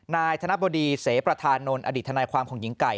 นายธนบดีเสประธานนท์อดีตทนายความของหญิงไก่